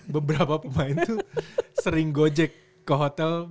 beberapa pemain tuh sering gojek ke hotel